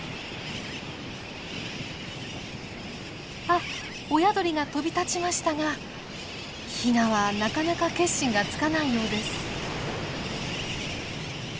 あっ親鳥が飛び立ちましたがヒナはなかなか決心がつかないようです。